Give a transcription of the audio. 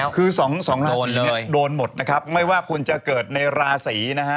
คือสองราศีเนี่ยโดนหมดนะครับไม่ว่าคุณจะเกิดในราศีนะฮะ